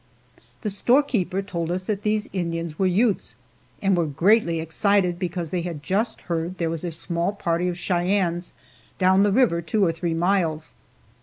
The storekeeper told us that those Indians were Utes, and were greatly excited because they had just heard there was a small party of Cheyennes down the river two or three miles.